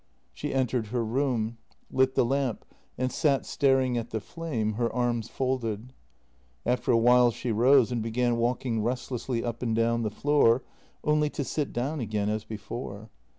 She entered her room, lit the lamp, and sat staring at the flame, her arms folded. After a while she rose and began walk ing restlessly up and down the floor — only to sit down again as before.